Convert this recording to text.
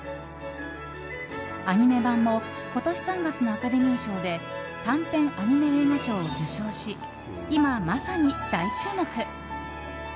アニメ版も今年３月のアカデミー賞で短編アニメ映画賞を受賞し今、まさに大注目。